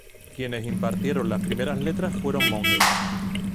Quienes impartieron las primeras letras fueron monjes.